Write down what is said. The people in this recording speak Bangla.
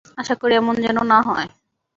আশা করি, এমন যেনো না হয়।